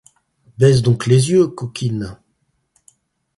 Baisse donc les yeux, coquine !